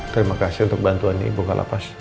terima kasih untuk bantuan di ibu kalapas